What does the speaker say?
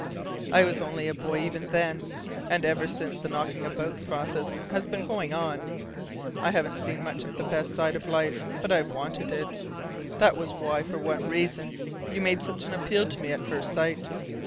"I was only a boy even then; and ever since the 'knocking about' process has been going on. I haven't seen much of the best side of life, but I've wanted it. That was why, for one reason, you made such an appeal to me at first sight.